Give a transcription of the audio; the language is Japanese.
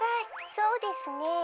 「そうですね。